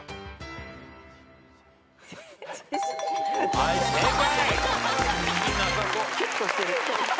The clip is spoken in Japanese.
はい正解。